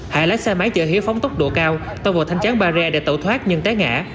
hải lấy xe máy chở hiếu phóng tốc độ cao tăng vào thanh chán barrier để tẩu thoát nhưng tái ngã